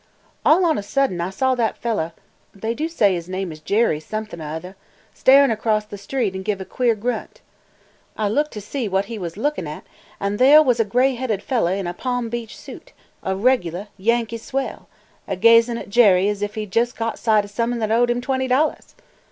All on a sudden I saw that fellah (they do say his name is Jerry something or other) staring across the street an' give a queer grunt. I looked ter see what he was lookin' at an' theh was a gray headed fellah in a Palm Beach suit – a reg'lah Yankee swell – a gazin' at Jerry as if he 'd jes' got sight o' some 'un that owed him twenty dollars!